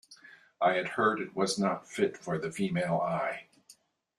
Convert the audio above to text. I had heard it was not fit for the female eye.